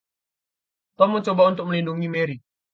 Tom mencoba untuk melindungi Mary.